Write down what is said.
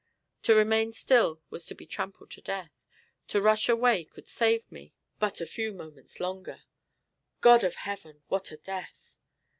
To remain still was to be trampled to death; to rush away could save me but a few moments longer. God of heaven! what a death!